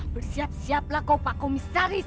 bersiap siap lah kau pak komisaris